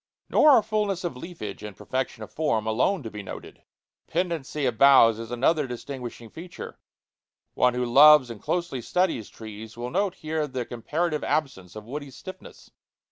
Nor are fulness of leafage and perfection of form alone to be noted; pendency of boughs is another distinguishing feature. One who loves and closely studies trees will note here the comparative absence of woody stiffness.